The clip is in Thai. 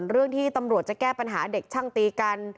เรื่องที่ตำรวจจะแก้ปัญหาเด็กช่างตีกัน